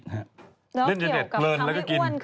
แล้วก็เกี่ยวกับทำให้อ้วนขึ้นอย่างนี้ใช่ไหมครับ